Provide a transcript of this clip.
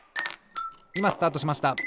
いまスタートしました！